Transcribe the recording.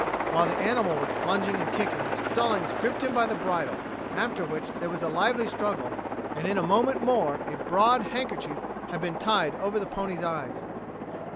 While the animal was plunging and kicking, Stallings gripped him by the bridle, after which there was a lively struggle, and in a moment more a broad handkerchief had been tied over the pony's eyes.